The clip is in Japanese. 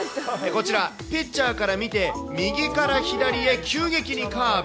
こちら、ピッチャーから見て、右から左へ急激にカーブ。